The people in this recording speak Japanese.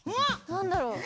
なんだろう？